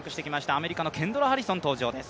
アメリカのケンドラ・ハリソン登場です。